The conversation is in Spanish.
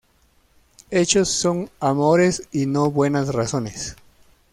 Hechos son amores y no buenas razones